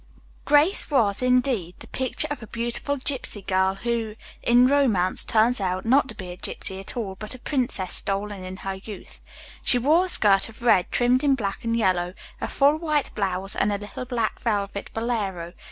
Grace was, indeed, the picture of a beautiful gipsy girl who in romance turns out not to be a gipsy at all, but a princess stolen in her youth. She wore a skirt of red trimmed in black and yellow, a full white blouse and a little black velvet bolero.